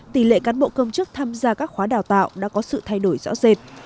tỷ lệ cán bộ công chức tham gia các khóa đào tạo đã có sự thay đổi rõ rệt